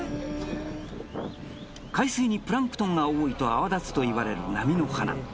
海水にプランクトンが多いと泡立つといわれる波の花